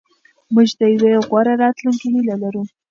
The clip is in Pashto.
موږ د یوې غوره راتلونکې هیله لرو.